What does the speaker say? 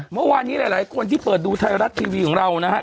เมื่อวานนี้หลายคนที่เปิดดูไทยรัฐทีวีของเรานะฮะ